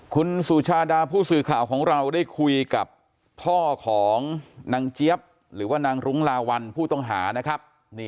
คุณสุชาดาผู้สื่อข่าวของเราได้คุยกับพ่อของนางเจี๊ยบหรือว่านางรุ้งลาวัลผู้ต้องหานะครับ